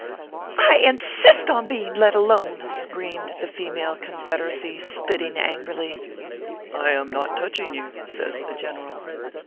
" I insist upon being let alone/ screamed the female Confederacy, spitting angrily. " I am not touching you/ says the general.